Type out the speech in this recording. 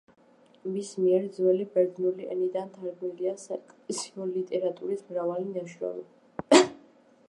მის მიერ ძველი ბერძნული ენიდან თარგმნილია საეკლესიო ლიტერატურის მრავალი ნაშრომი.